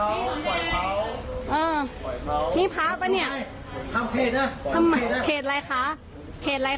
เออนี่พ้าปะเนี้ยทำเขตนะทำเขตอะไรคะเขตอะไรคะเขตอะไรคะ